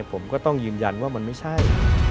ผมก็ต้องยืนยันว่ามันไม่ใช่